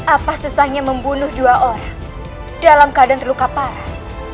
apa susahnya membunuh dua orang dalam keadaan terluka parah